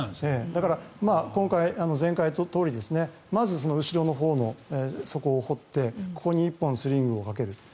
だから、今回前回のとおりまず後ろのほうの底を掘ってここに１本スリングをかける。